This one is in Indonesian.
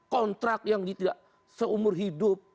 kontrak yang tidak seumur hidup